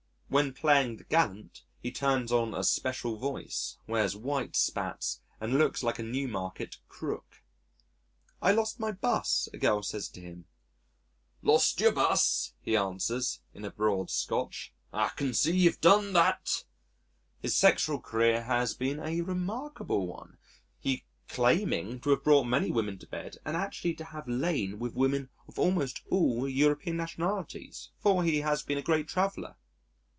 When playing the Gallant, he turns on a special voice, wears white spats, and looks like a Newmarket "Crook." "I lost my 'bus," a girl says to him. "Lost your bust," he answers, in broad Scotch. "I can't see that you've done that." ... His sexual career has been a remarkable one, he claiming to have brought many women to bed, and actually to have lain with women of almost all European nationalities, for he has been a great traveller....